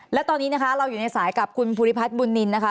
และตอนนี้นะคะเราอยู่ในสายกับคุณภูริพัฒน์บุญนินนะคะ